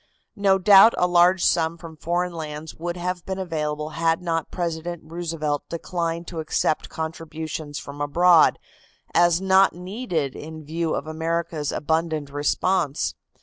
No doubt a large sum from foreign lands would have been available had not President Roosevelt declined to accept contributions from abroad, as not needed in view of America's abundant response.